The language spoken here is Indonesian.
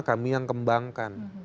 kami yang kembangkan